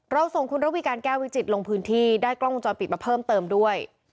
ส่งคุณระวีการแก้ววิจิตรลงพื้นที่ได้กล้องวงจรปิดมาเพิ่มเติมด้วย